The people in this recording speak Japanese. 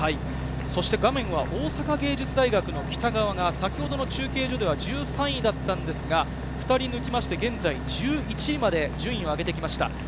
画面は大阪芸術大学の北川が先ほどの中継所では１３位だったんですが、２人抜きまして、現在１１位まで順位を上げてきました。